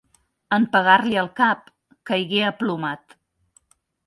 En pegar-li al cap caigué aplomat.